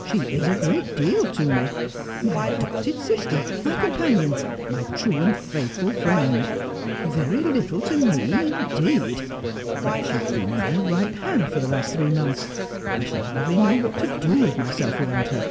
She is a great deal to me— my adopted sister, my companion, my true and faithful friend ! Very little to me, indeed ! Why, she has been my right hand for the last three months. I shall hardly know what to do with myself without her.'